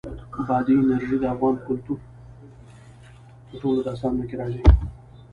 بادي انرژي د افغان کلتور په ټولو داستانونو کې راځي.